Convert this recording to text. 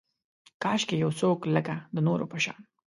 کاشکي یو څوک لکه، د نورو په شان